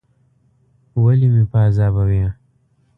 ولي مې په عذابوې ؟